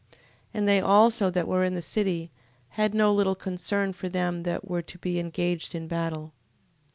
15:19. And they also that were in the city, had no little concern for them that were to be engaged in battle.